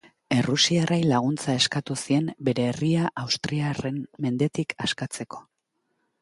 Errusiarrei laguntza eskatu zien bere herria austriarren mendetik askatzeko.